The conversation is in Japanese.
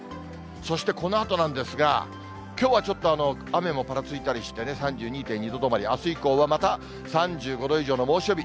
そしてこのあとなんですが、きょうはちょっと雨もぱらついたりして、３２．２度止まり、あす以降はまた３５度以上の猛暑日。